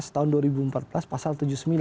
tahun dua ribu empat belas pasal tujuh puluh sembilan